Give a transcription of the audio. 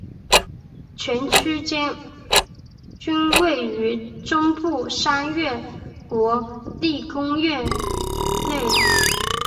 全区间均位于中部山岳国立公园内。